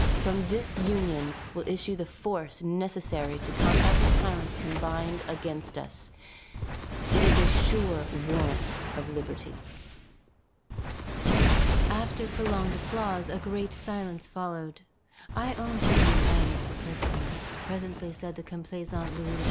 From this union will issue the force necessary to combat the tyrants combined against us. It is a sure warrant of liberty." After prolonged applause a great silence followed. "I own to you, M. the President," presently said the complaisant Louis XVI.